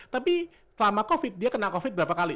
tapi selama covid dia kena covid berapa kali